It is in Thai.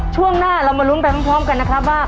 ช่วงหน้าเรามาลุ้นไปพร้อมกันนะครับว่า